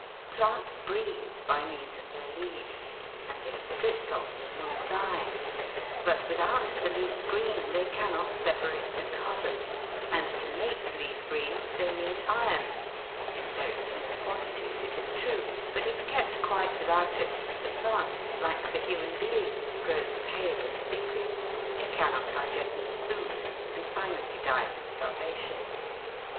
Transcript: Plants breathe by means of their leaves, and if. stripped of them will die : but without the leaf green they cannot separate the carbon, and to make leaf green they need iron, in very small quantities, it is true, but if kept quite without it, the plant, like the human being, grows pale and sickly, it cannot digest its food, and finally dies of starvation.